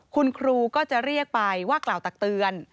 คุณครูก็จะเรียกไปว่ากล่าวตักเตือน